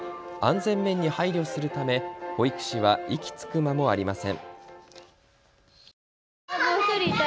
全面に配慮するため保育士は息つく間もありません。